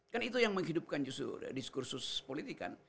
kan itu yang menghidupkan justru diskursus politik kan